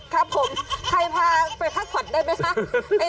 ครับผมใครพาไปพักผ่อนได้ไหมคะ